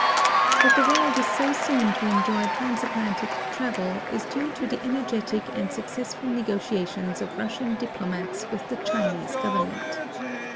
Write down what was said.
That the world is so soon to enjoy trans Asiatic travel is due to the energetic and successful negotiaticms of Russian diplomats witli the Chinese government.